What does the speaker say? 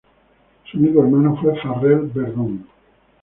Su único hermano fue Farrel Verdon.